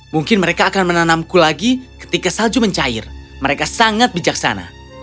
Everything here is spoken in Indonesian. mungkin mereka akan menanamku lagi ketika salju mencair mereka sangat bijaksana